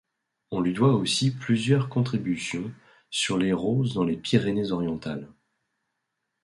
On lui doit aussi plusieurs contributions sur les roses dans les Pyrénées-Orientales.